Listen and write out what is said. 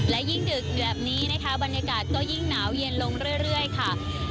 และยิ่งดึกแบบนี้นะคะบรรยากาศก็ยิ่งหนาวเย็นลงเรื่อยค่ะ